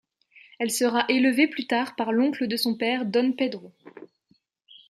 Elle sera élevée plus tard par l'oncle de son père, don Pedro.